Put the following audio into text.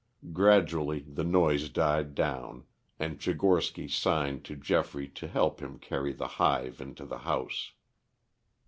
Gradually the noise died down, and Tchigorsky signed to Geoffrey to help him carry the hive into the house.